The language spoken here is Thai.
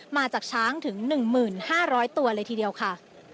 มาจากช้างถึง๑๕๐๐ตัวเลยทีเดียวค่ะ